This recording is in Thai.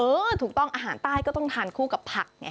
ถูกต้องอาหารใต้ก็ต้องทานคู่กับผักไง